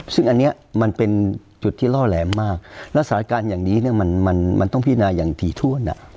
ซึ่งอันนี้มันเป็นจุดที่ล่อแหลมมากและสถานการณ์อย่างนี้มันต้องพินาอย่างถี่ถ้วน